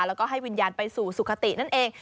แล้วก็ให้วิญญาณไปสู่สุขตินั่นเอง